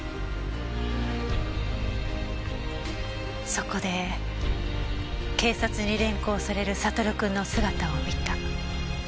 そこで警察に連行されるサトル君の姿を見た。